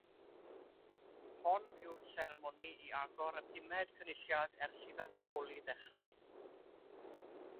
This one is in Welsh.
Hon yw'r seremoni i agor y pumed Cynulliad ers i ddatganoli ddechrau